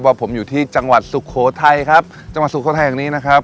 ว่าผมอยู่ที่จังหวัดสุโขทัยครับจังหวัดสุโขทัยแห่งนี้นะครับ